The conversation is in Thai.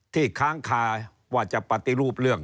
ค้างคาว่าจะปฏิรูปเรื่อง